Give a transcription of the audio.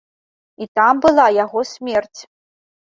І там была яго смерць.